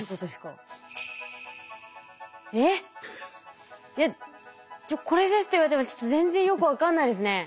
いや「これです」って言われても全然よく分かんないですね。